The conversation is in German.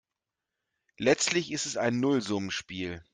Letztlich ist es ein Nullsummenspiel.